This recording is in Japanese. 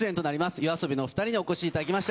ＹＯＡＳＯＢＩのお２人にお越しいただきました。